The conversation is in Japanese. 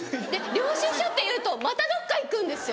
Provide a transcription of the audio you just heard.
領収書って言うとまたどっか行くんですよ。